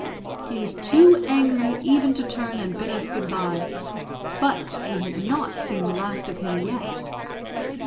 He was too angry even to turn and bid us good bye; but we had not seen the last of him yet.